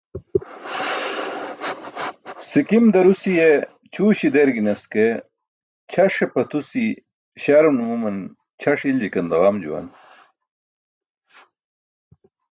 Sikim darusi̇ye ćʰuuśi̇ derginas ke, ćʰaṣe pʰatusi̇ śarum numuman ćʰaṣ i̇lijkan daġam juwan.